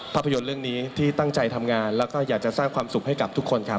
ภาพยนตร์เรื่องนี้ที่ตั้งใจทำงานแล้วก็อยากจะสร้างความสุขให้กับทุกคนครับ